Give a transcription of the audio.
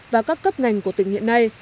và các cấp ngành của tỉnh hiện nay